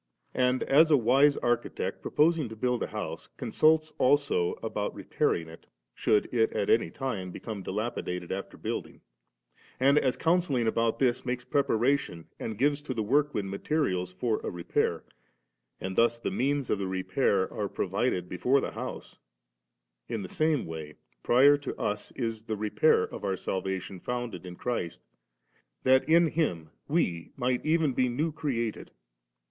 And as a wise architect, proposing to build a house, consults also about repairing it, should it at anytime become dilapidated after building, and, as counselling about this, makes preparation and gives to the workmen materials for a repair ; and thus the means of the repair are provided before the house ; in the same way prior to us is the repair of our salvation founded in Christ, that in Him we might even be new created.